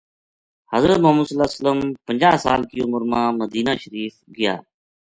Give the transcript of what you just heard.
حضرت محمد ﷺ پنجاہ سال کی عمر ما مدینہ شریف گیا۔